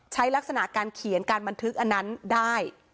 ลักษณะการเขียนการบันทึกอันนั้นได้